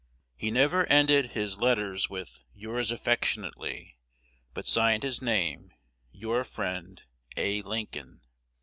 He never ended his letters with 'Yours affectionately,' but signed his name, 'Your friend, A. Lincoln.'"